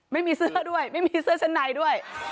ไม่มีเสื้อด้วยไม่มีเสื้อชั้นในด้วย